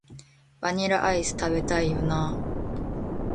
バニラアイス、食べたいよな